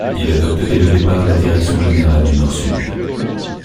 Il adopte dès le départ la direction générale du nord-sud.